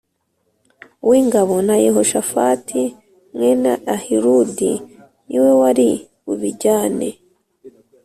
w ingabo na Yehoshafati mwene Ahiludi ni we wari bubijyane